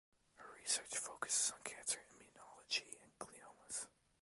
Her research focuses on cancer immunology and gliomas.